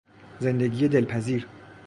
زندگی دلپذیر